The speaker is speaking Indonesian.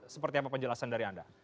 seperti apa penjelasan dari anda